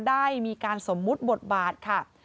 ได้มีการสมมุติบทบาทค่ะ